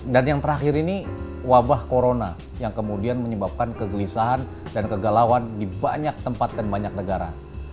dan yang terakhir ini wabah corona yang kemudian menyebabkan kegelisahan dan kegalauan di banyak tempat dan banyak negara